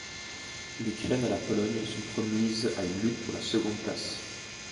L'Ukraine et la Pologne sont promises à une lutte pour la seconde place.